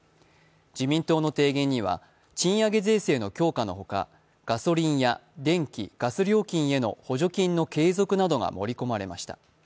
自民党の提言には賃上げ税制の強化のほかガソリンや電気・ガス料金への補助金の継続などが盛り込まれました。